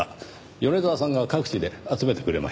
米沢さんが各地で集めてくれました。